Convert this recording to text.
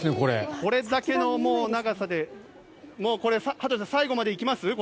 これだけの長さで羽鳥さんこれ最後まで行きます？